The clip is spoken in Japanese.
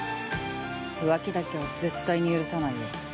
浮気だけは絶対に許さないよ。